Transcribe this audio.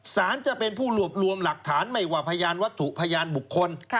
จะเป็นผู้รวบรวมหลักฐานไม่ว่าพยานวัตถุพยานบุคคล